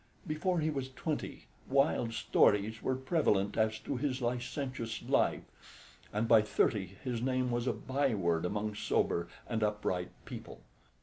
Before he was twenty wild stories were prevalent as to his licentious life, and by thirty his name was a by word among sober and upright people.